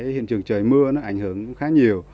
hiện trường trời mưa nó ảnh hưởng khá nhiều